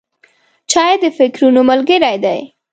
چای د فکرونو ملګری دی.